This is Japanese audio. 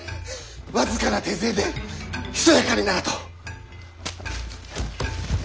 僅かな手勢でひそやかにならと。